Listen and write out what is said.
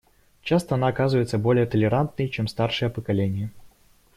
Часто она оказывается более толерантной, чем старшее поколение.